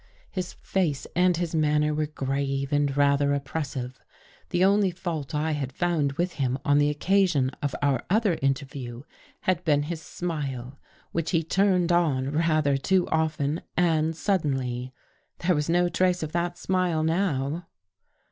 His face and his manner were grave and rather oppressive. The only fault I had found with him on the occasion of our other interview had been his smile which he turned on rather too often and sud denly. There was no trace of that smile now.